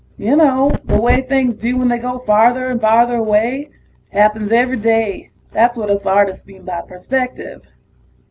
You know the way things do when they go farther and farther away. Happens every day; that's what us artists mean by perspective.